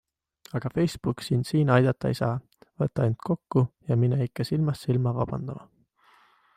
Aga Facebook sind siin aidata ei saa, võta end kokku ja mine ikka silmast silma vabandama.